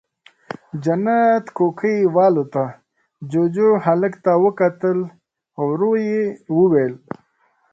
جنت کوکۍ والوته، جُوجُو، هلک ته وکتل، ورو يې وويل: